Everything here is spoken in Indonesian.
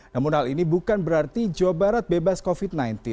namun hal ini bukan berarti jawa barat bebas covid sembilan belas